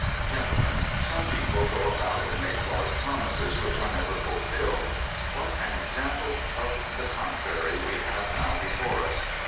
"Gentlemen, some people go about and make large promises which are never fulfilled. What an example of the contrary we have now before us!